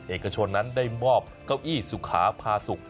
เอกชนนั้นได้มอบเก้าอี้สุขาพาสุข